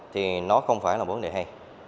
thì nó không phải là vấn đề hay